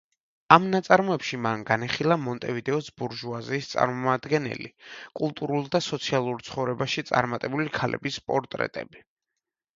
ამ ნაწარმოებში მან განიხილა მონტევიდეოს ბურჟუაზიის წარმომადგენელი, კულტურულ და სოციალურ ცხოვრებაში წარმატებული ქალების პორტრეტები.